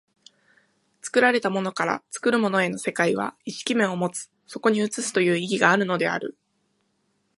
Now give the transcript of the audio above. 作られたものから作るものへの世界は意識面を有つ、そこに映すという意義があるのである。